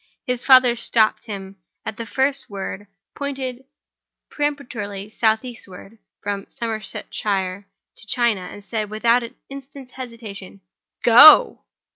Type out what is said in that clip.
His father stopped him at the first word, pointed peremptorily southeastward (from Somersetshire to China); and said, without an instant's hesitation: "Go!"